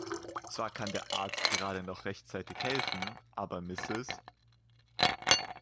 Zwar kann der Arzt gerade noch rechtzeitig helfen, aber Mrs.